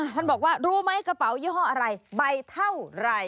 ท่านบอกว่ารู้ไหมกระเป๋ายี่ห้ออะไรใบเท่าไหร่